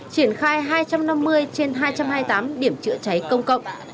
triển khai hai trăm năm mươi trên hai trăm hai mươi tám điểm chữa cháy công cộng